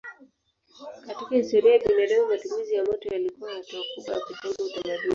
Katika historia ya binadamu matumizi ya moto yalikuwa hatua kubwa ya kujenga utamaduni.